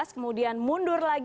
kemudian mundur lagi